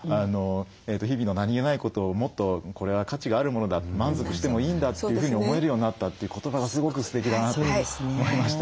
「日々の何気ないことをもっとこれは価値があるものだ満足してもいいんだというふうに思えるようになった」という言葉がすごくすてきだなと思いました。